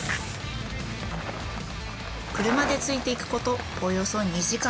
車でついていくことおよそ２時間。